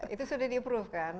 itu sudah di approve kan